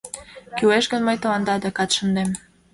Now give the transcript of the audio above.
Кӱлеш гын, мый тыланда адакат шындем.